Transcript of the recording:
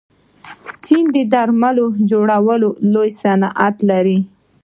چین د درمل جوړولو لوی صنعت لري.